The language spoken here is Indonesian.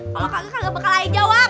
kalau kagak kagak bakal ae jawab